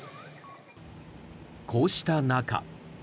こうした中。